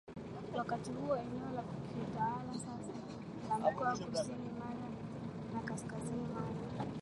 wakati huo eneo la kiutawala la sasa la mkoa kusini Mara na kaskazini Mara